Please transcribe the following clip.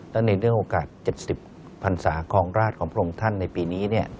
และในเรื่องโอกาส๗๐พันศาของราชของพระองค์ท่านในปีนี้